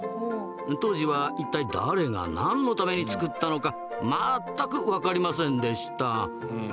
当時は一体誰が何のためにつくったのかまったく分かりませんでした。